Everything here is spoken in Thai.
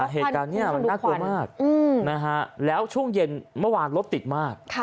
เหตุการณ์นี้มันน่ากลัวมากแล้วช่วงเย็นเมื่อวานรถติดมาก